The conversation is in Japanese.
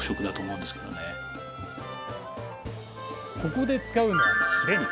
ここで使うのはヒレ肉。